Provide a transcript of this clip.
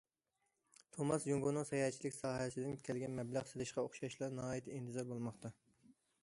توماس جۇڭگونىڭ ساياھەتچىلىك ساھەسىدىن كەلگەن مەبلەغ سېلىشقا ئوخشاشلا ناھايىتى ئىنتىزار بولماقتا.